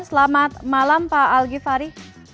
selamat malam pak algi fari